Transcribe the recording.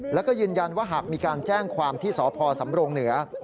แล้วก็ยืนยันว่าหากมีการแจ้งความที่สพสำรงเหนือ